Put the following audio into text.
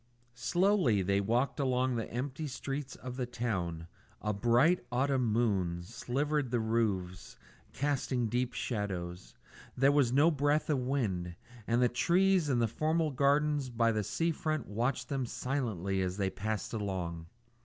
Slowly they walked along the empty streets of the town; a bright autumn moon silvered the roofs, casting deep shadows; there was no breath of wind; and the trees in the formal gardens by the sea front watched them silently as they passed along.